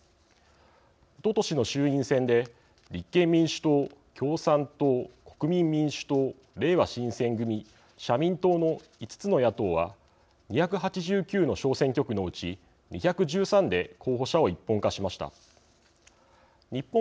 おととしの衆院選で立憲民主党・共産党・国民民主党れいわ新選組・社民党の５つの野党は２８９の小選挙区のうち２１３で候補者を一本化しました。